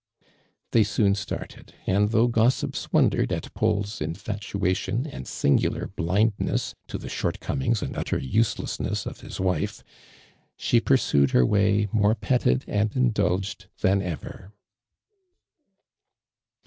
They soon started, and though gossips wondered at Paul's infatuation and singular blindnes i to the shortcomings and utter uselessness of his wife, she pursued her way more petted and indulged than ever.